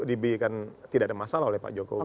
diberikan tidak ada masalah oleh pak jokowi